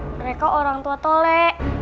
mereka orang tua tuli